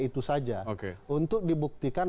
itu saja untuk dibuktikan